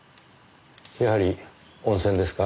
やはり温泉ですか？